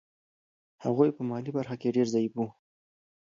هغوی په مالي برخه کې ډېر ضعیف وو.